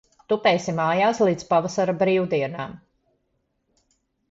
Tupēsi mājās līdz pavasara brīvdienām.